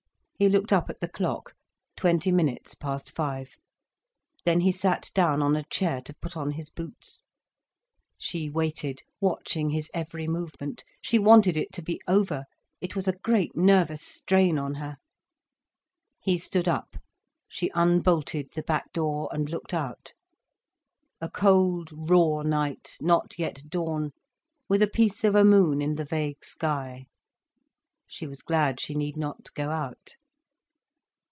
He looked up at the clock—twenty minutes past five Then he sat down on a chair to put on his boots. She waited, watching his every movement. She wanted it to be over, it was a great nervous strain on her. He stood up—she unbolted the back door, and looked out. A cold, raw night, not yet dawn, with a piece of a moon in the vague sky. She was glad she need not go out.